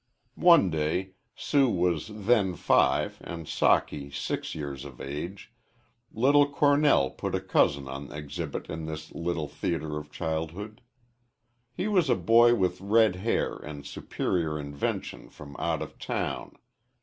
One day Sue was then five and Socky six years of age Lizzie Cornell put a cousin on exhibit in this little theatre of childhood. He was a boy with red hair and superior invention from out of town.